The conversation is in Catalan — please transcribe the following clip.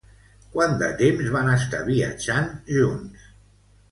Quant de temps van estar viatjant junts?